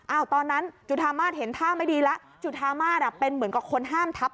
ตอนนั้นจุธามาศเห็นท่าไม่ดีแล้วจุธามาศเป็นเหมือนกับคนห้ามทับ